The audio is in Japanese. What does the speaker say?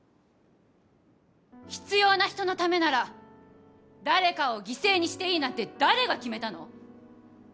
必要な人のためなら誰かを犠牲にしていいなんて誰が決めたの！？